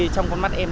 trong con mắt em